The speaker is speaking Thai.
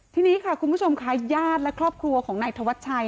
ทีนี้ค่ะคุณผู้ชมค่ะญาติและครอบครัวของนายธวัชชัย